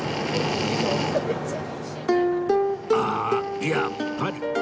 あやっぱり